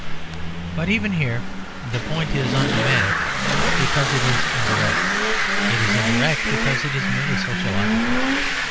But even here the point is undramatic because it is indirect; it is indirect because it is merely sociological.